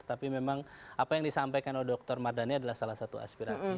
tapi memang apa yang disampaikan oleh dr mardhani adalah salah satu aspirasi